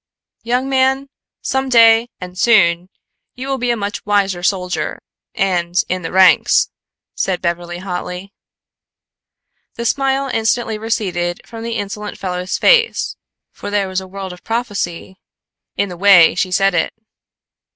"Young man, some day and soon you will be a much wiser soldier and, in the ranks," said Beverly hotly. The smile instantly receded from the insolent fellow's face, for there was a world of prophecy in the way she said it.